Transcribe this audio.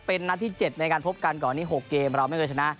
เป็นนัดที่๗ในการพบกันก่อนนี้๖เกมเราไม่เคยชนะ